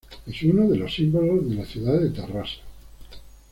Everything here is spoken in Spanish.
Es uno de los símbolos de la ciudad de Terrassa.